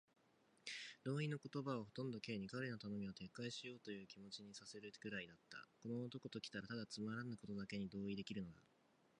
同意の言葉はほとんど Ｋ に、彼の頼みを撤回しようというという気持にさせるくらいだった。この男ときたら、ただつまらぬことにだけ同意できるのだ。